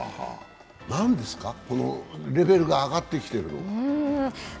何ですか、このレベルが上がってきてるのは？